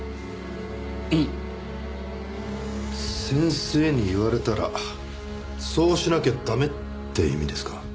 先生に言われたらそうしなきゃ駄目って意味ですか？